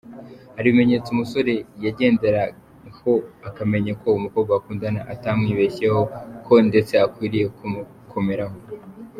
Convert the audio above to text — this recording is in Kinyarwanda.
Hari ibimenyetso umusore yagenderaho akamenya ko umukobwa bakundana atamwibeshyeho , ko ndetse akwiriye kumukomeraho.